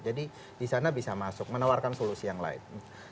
jadi di sana bisa masuk menawarkan solusi yang lain